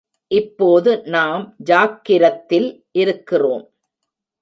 இப்போது நாம் ஜாக்கிரத்தில் இருக்கிறோம்.